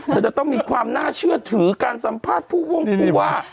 จะต้องมีความน่าเชื่อถือการสัมภาษณ์ผู้วงผู้ว่า